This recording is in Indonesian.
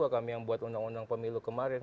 kami yang buat undang undang pemilu kemarin